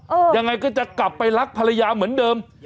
ยังไงก็จะกลับไปรักภรรยาเหมือนเดิม